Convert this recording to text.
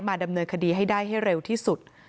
ดำเนินคดีให้ได้ให้เร็วที่สุด